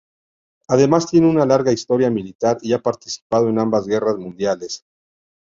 Además tiene una larga historia militar y ha participado en ambas guerras mundiales.